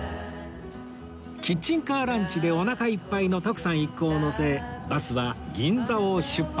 キッチンカーランチでお腹いっぱいの徳さん一行を乗せバスは銀座を出発